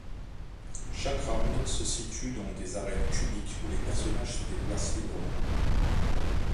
Chaque round se situe dans des arènes cubiques où les personnages se déplacent librement.